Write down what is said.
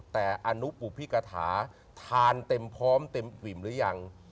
แต่อนุปุพิกฐาทานเต็มพร้อมเต็มอิ่มหรือยัง